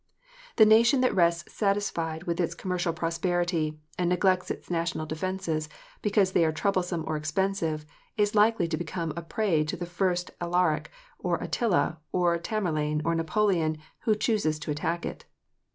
The nation that rests satisfied with its commercial prosperity, and neglects its national defences, because they are troublesome or expensive, is likely to become a prey to the first Alaric, or Attila, or Tamerlane, or Napoleon, who chooses to attack it.